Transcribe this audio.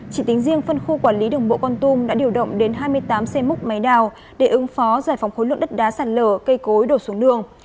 chỉ tính riêng phân khu quản lý đường bộ con tum đã điều động đến hai mươi tám xe múc máy đào để ứng phó giải phóng khối lượng đất đá sạt lở cây cối đổ xuống đường